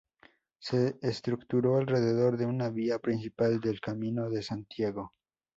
Se estructuró alrededor de una vía principal del Camino de Santiago.